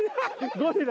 ゴリラ？